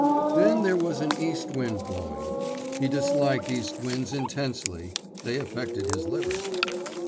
Then there was an east wind blowing He disliked east winds intensely, they affected his liver.